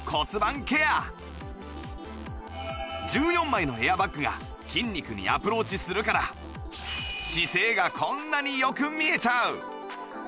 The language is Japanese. １４枚のエアバッグが筋肉にアプローチするから姿勢がこんなによく見えちゃう！